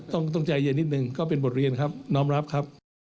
ต้องใจเย็นนิดนึงก็เป็นบทเรียนครับน้อมรับครับ